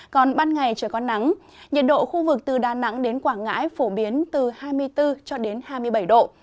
còn ban ngày trời có nắng nhiệt độ khu vực từ đà nẵng đến quảng ngãi phổ biến từ hai mươi bốn cho đến hai mươi bảy độ